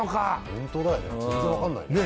ホントだよね全然分かんないね。